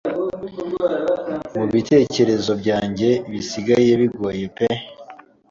Mubitekerezo byanjye bisigaye bigoye pe